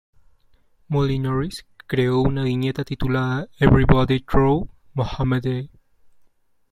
Molly Norris creó una viñeta titulada "Everybody Draw Mohammed Day!